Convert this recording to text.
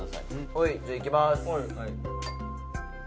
はいじゃあいきます